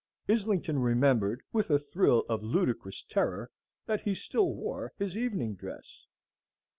Islington remembered, with a thrill of ludicrous terror, that he still wore his evening dress.